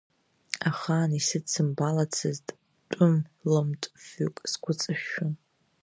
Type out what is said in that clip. Ахаан исыдсымбалацызт тәым лымт фҩык сгәыҵышәшәон.